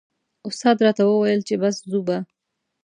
استاد راته و ویل چې بس ځو به.